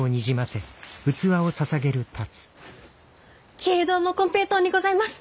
喜榮堂の金平糖にございます。